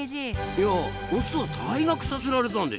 いやオスは退学させられたんでしょ？